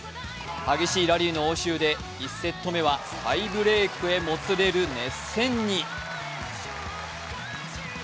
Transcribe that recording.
激しいラリーの応酬で、１セット目はタイブレークにもつれる熱戦に。